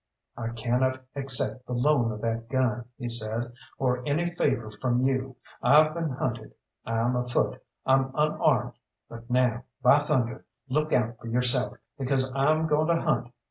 "I cannot accept the loan of that gun," he said, "or any favour from you. I've been hunted, I'm afoot, I'm unarmed, but now, by thunder! look out for yourself, because I'm going to hunt.